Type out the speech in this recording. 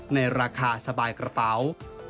ในราคาสบายกระเป๋า